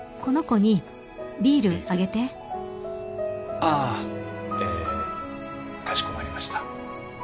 ああ。えかしこまりました。